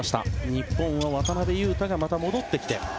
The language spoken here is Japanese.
日本は渡邊雄太がまた戻ってきて